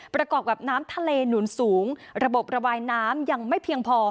ประกอบกับน้ำทะเลหนุนสูงระบบระบายน้ำยังไม่เพียงพอ